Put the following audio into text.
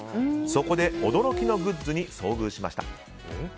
そこで驚きのグッズに遭遇しました。